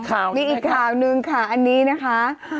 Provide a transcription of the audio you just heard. มีอีกข่าวนึงค่ะอันนี้นะคะ